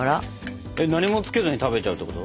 何もつけずに食べちゃうってこと？